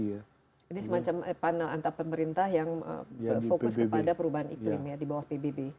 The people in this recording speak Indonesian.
jadi semacam panel antar pemerintah yang fokus kepada perubahan iklim di bawah pbb